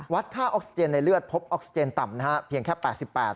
วัดค่าออกซิเจนในเลือดโภพออกซิเจนต่ำเพียงแค่ศาสตร์๘๘